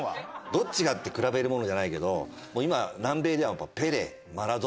どっちがって比べるものじゃないけど今南米ではペレマラドーナ。